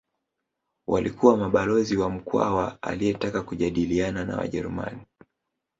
Walikuwa mabalozi wa Mkwawa aliyetaka kujadiliana na Wajerumani